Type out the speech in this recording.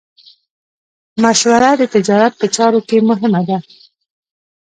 مشوره د تجارت په چارو کې مهمه ده.